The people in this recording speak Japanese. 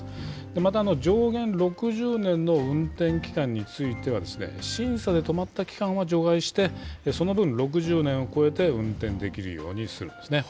また上限６０年の運転期間については、審査で止まった期間は除外して、その分、６０年を超えて運転できるようにするんですね。